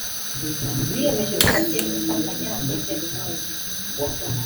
Biyemeje ko bagiye gufatanya n’inzego z’ubuzima